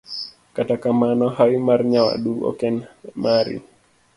Kata kamano, hawi mar nyawadu ok en mari.